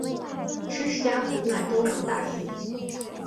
申氏家族乃东阳大姓。